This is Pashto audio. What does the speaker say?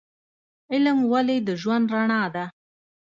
علم ولې د ژوند رڼا ده؟